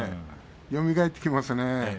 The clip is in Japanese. よみがえってきますね。